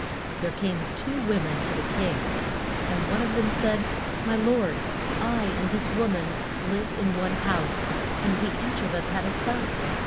There came two wo men to the king. And one of them said, My lord, I and this wo man live in one house, and we each of us had a son.